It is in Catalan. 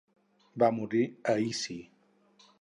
Va morir a Issy.